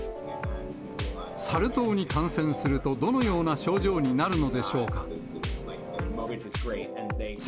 サル痘に感染すると、どのような症状になるのでしょうか。